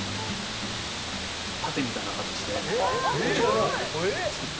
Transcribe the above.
盾みたいな形で作って頂いて。